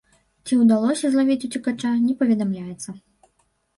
Ці ўдалося злавіць уцекача, не паведамляецца.